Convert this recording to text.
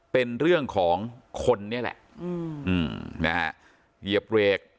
เป็นเรื่องของคนนี่แหละอืมนะฮะเหยียบเบรก